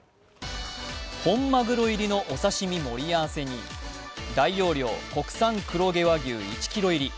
本まぐろ入りのお刺身盛り合わせに大容量、国産黒毛和牛１ｋｇ入り。